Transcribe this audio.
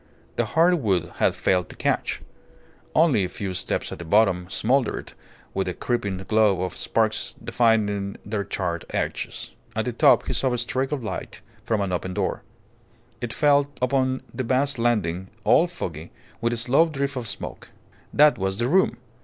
The hard wood had failed to catch; only a few steps at the bottom smouldered, with a creeping glow of sparks defining their charred edges. At the top he saw a streak of light from an open door. It fell upon the vast landing, all foggy with a slow drift of smoke. That was the room.